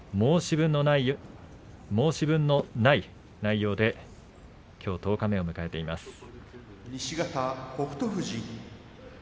申し分のない内容できょう十日目を迎えています。